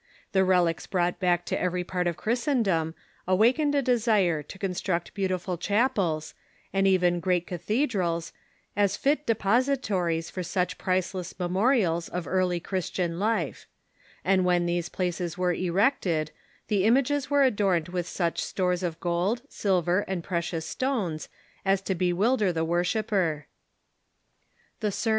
The relies brought back to every part of Christendom awakened a desire to construct beautiful chapels, and even great cathe drals, as fit depositories for such priceless memorials of early Christian life ; and when these places were erected, the images were adorned with such stores of gold, silver, and precious stones as to bewilder the worshipper.